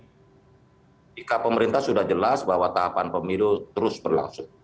ketika pemerintah sudah jelas bahwa tahapan pemilu terus berlangsung